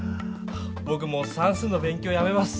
ぼくもう算数の勉強やめます。